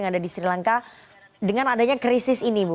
atau pihak dutaan yang lain yang ada di sri lanka dengan adanya krisis ini bu